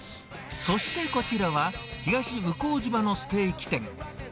そしてこちらは、東向島のステーキ店。